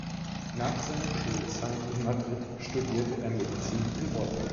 Nach seiner Schulzeit in Madrid studierte er Medizin in Bonn.